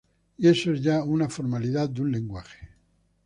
Y eso es ya una formalidad de un lenguaje.